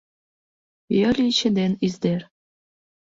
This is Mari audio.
Йолъече ден издер